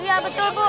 iya betul bu